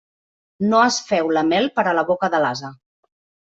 No es féu la mel per a la boca de l'ase.